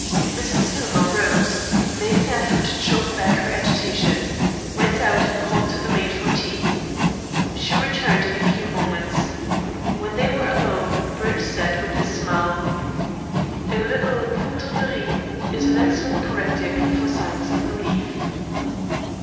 Mrs. Hillmer rose, made an effort to choke back her agitation, went out, and called to the maid for tea. She returned in a few moments. When they were alone Bruce said, with a smile: "A little poudre de ris is an excellent corrective for signs of grief."